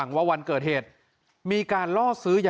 ส่งมาขอความช่วยเหลือจากเพื่อนครับ